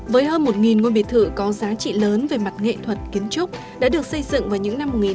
với hơn một ngôi biệt thự có giá trị lớn về mặt nghệ thuật kiến trúc đã được xây dựng vào những năm một nghìn chín trăm bảy mươi